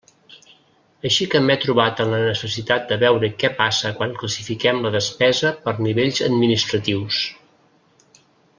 Així que m'he trobat en la necessitat de veure què passa quan classifiquem la despesa per nivells administratius.